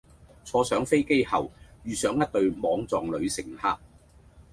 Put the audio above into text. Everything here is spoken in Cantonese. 坐上飛機後遇上一對莽撞女乘客